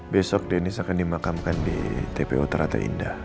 besok dennis akan dimakamkan di tpu terata indah